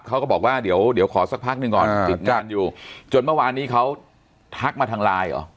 เขาก็บอกว่าเดี๋ยวเดี๋ยวขอสักพักหนึ่งก่อนติดงานอยู่จนเมื่อวานนี้เขาทักมาทางไลน์เหรอ